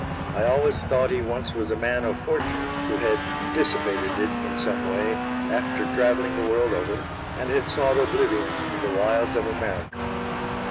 I always thought he once was a man of fortune, who had dissipated it in some way, after travelling the world over, and had sought oblivion in the wilds of America.